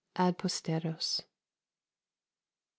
_" Ad Posteros. I.